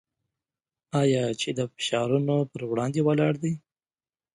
آیا چې د فشارونو پر وړاندې ولاړ دی؟